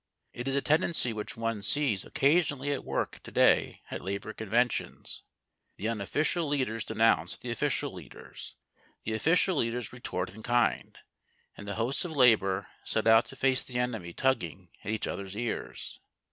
It is a tendency which one sees occasionally at work to day at labour conventions. The unofficial leaders denounce the official leaders; the official leaders retort in kind; and the hosts of Labour set out to face the enemy tugging at each other's ears.